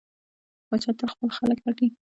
پاچا تل خپل خلک رټي.